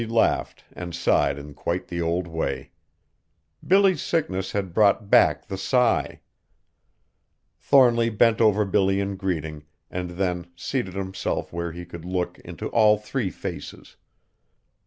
He laughed and sighed in quite the old way. Billy's sickness had brought back the sigh. Thornly bent over Billy in greeting, and then seated himself where he could look into all three faces.